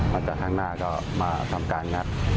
จากข้างหน้าก็มาทำการงัด